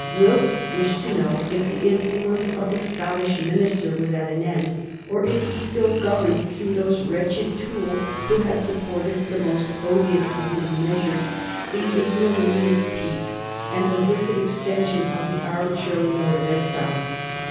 Wilkes wished to know if the influence of the Scottish minister was at an end, or if he still governed through those wretched tools who had supported the most odious of his measures, the ignominious peace, and the wicked extension of the arbitrary mode of excise.